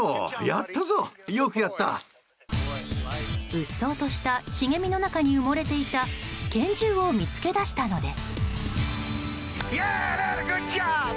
うっそうとした茂みの中に埋もれていた拳銃を見つけ出したのです。